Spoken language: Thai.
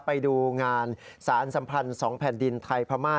ไปดูงานสารสัมพันธ์๒แผ่นดินไทยพม่า